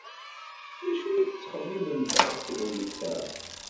D acu ay tettxemmimemt ɣef tegnit-a?